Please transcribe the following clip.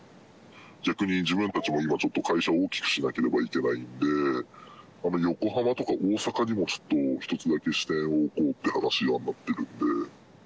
逆に自分たちも今ちょっと、会社を大きくしなければいけないんで、横浜とか大阪にもちょっと、１つだけ支店を置こうっていう話にはなってるんで。